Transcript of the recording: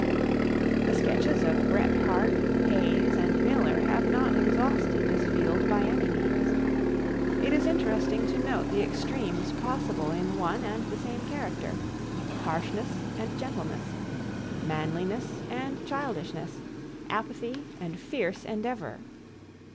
The sketches of Bret Harte, Hayes, and Miller have not exhausted this field by any means. It is interesting to note the extremes possible in one and the same character: harshness and gentleness, manliness and childishness, apathy and fierce endeavor.